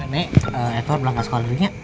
nek edward bilang ke sekolah dulunya